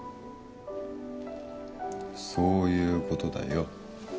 そういうことだよ。